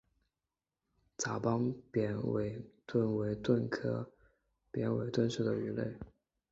杂斑扁尾鲀为鲀科扁尾鲀属的鱼类。